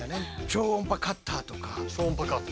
超音波カッター。